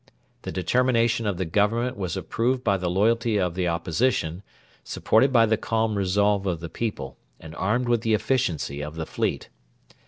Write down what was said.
The determination of the Government was approved by the loyalty of the Opposition, supported by the calm resolve of the people, and armed with the efficiency of the fleet.